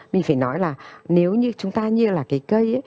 mình phải nói là nếu như chúng ta như là cái cây ấy